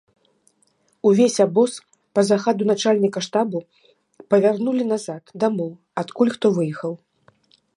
Увесь абоз, па загаду начальніка штабу, павярнулі назад, дамоў, адкуль хто выехаў.